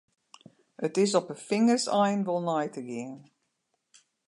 It is op 'e fingerseinen wol nei te gean.